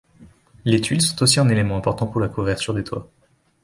Les tuiles sont aussi un élément important pour la couverture des toits.